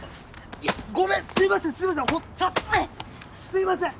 すいません！